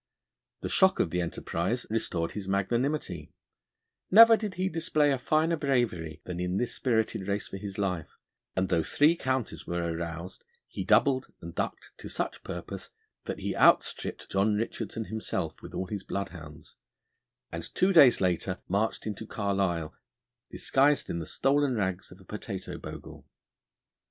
The shock of the enterprise restored his magnanimity. Never did he display a finer bravery than in this spirited race for his life, and though three counties were aroused he doubled and ducked to such purpose that he outstripped John Richardson himself with all his bloodhounds, and two days later marched into Carlisle disguised in the stolen rags of a potato bogle.